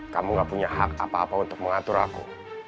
kamu gak punya hak apa apa untuk mengatur aku